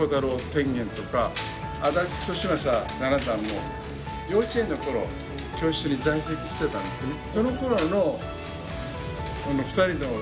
天元とか安達利昌七段も幼稚園の頃教室に在籍してたんですね。